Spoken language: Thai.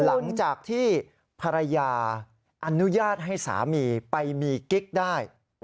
หลังจากที่ภรรยาอนุญาตให้สามีไปมีกิ๊กได้